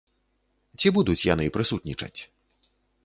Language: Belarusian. Ці будуць яны прысутнічаць?